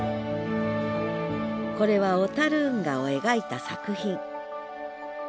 これは小運河を描いた作品。